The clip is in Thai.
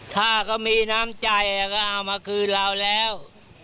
ถ้าเขามีน้ำใจก็เอามาคืนเราแล้ว